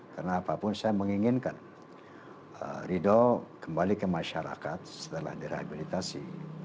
karena apapun saya menginginkan ridho kembali ke masyarakat setelah direhabilitasi